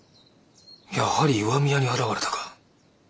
やはり石見屋に現れたか。